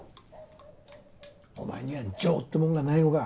お前には情ってもんがないのか！